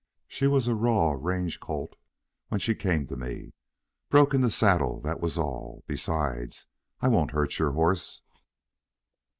She was a raw range colt when she came to me. Broken to saddle that was all. Besides, I won't hurt your horse."